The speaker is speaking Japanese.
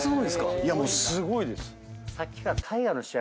いやもうすごいです！